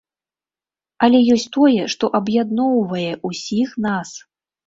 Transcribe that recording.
Але ёсць тое, што аб'ядноўвае ўсіх нас.